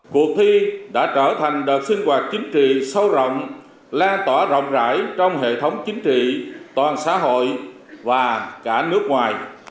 cuộc thi đã trở thành đợt sinh hoạt chính trị sâu rộng lan tỏa rộng rãi trong hệ thống chính trị toàn xã hội và cả nước ngoài